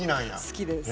好きです。